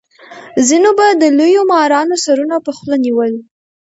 ځینو به د لویو مارانو سرونه په خوله نیول.